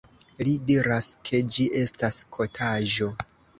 Li diras, ke ĝi estas kotaĵo!